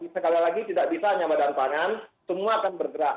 sekali lagi tidak bisa hanya badan pangan semua akan bergerak